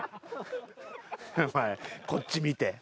お前こっち見て。